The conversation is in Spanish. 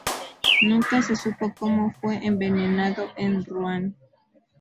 Nunca se supo cómo fue envenenado en Ruan.